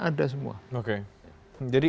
ada semua oke jadi